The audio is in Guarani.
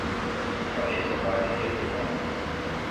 Mba'éichapa jajevýta.